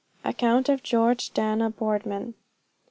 ACCOUNT OF GEORGE DANA BOARDMAN.